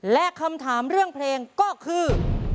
และคำถามเรื่องเพลงก็คือ